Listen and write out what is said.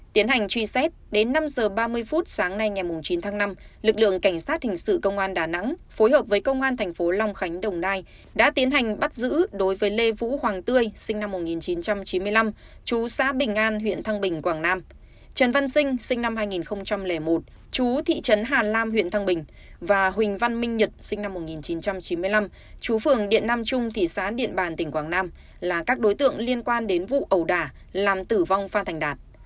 tiến hành truy xét đến năm h ba mươi phút sáng nay ngày chín tháng năm lực lượng cảnh sát hình sự công an đà nẵng phối hợp với công an tp long khánh đồng nai đã tiến hành bắt giữ đối với lê vũ hoàng tươi sinh năm một nghìn chín trăm chín mươi năm chú xã bình an huyện thăng bình quảng nam trần văn sinh sinh năm hai nghìn một chú thị trấn hà lam huyện thăng bình và huỳnh văn minh nhật sinh năm một nghìn chín trăm chín mươi năm chú phường điện nam trung thị xã điện bàn tỉnh quảng nam là các đối tượng liên quan đến vụ ẩu đà làm tử vong phan thành đạt